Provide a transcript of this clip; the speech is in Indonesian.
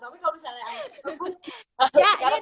tapi kalau misalnya anak kecil pun